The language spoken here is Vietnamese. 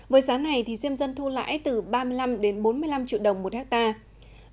với giá này diêm dân thu lãi từ ba mươi năm đến bốn mươi năm triệu đồng một hectare